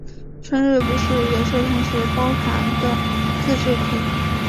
春日部市也是同时包含的自治体。